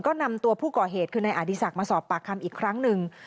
ก็นำตัวผู้ก่อเหตุคือนายอดีศักดิ์มาสอบปากคำอีกครั้งหนึ่ง